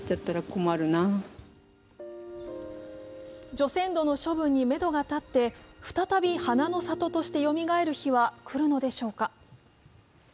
除染土の処分にめどが立って再び花の里としてよみがえる日は来るのでしょうか。